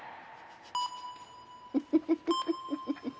フフフ。